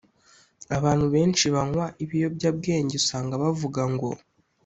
Abantu benshi banywa ibiyobyabwenge usanga bavuga ngo